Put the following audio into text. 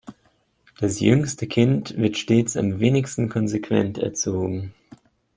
Das jüngste Kind wird stets am wenigsten konsequent erzogen.